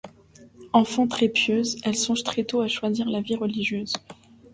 Enfant très pieuse, elle songe très tôt à choisir la vie religieuse.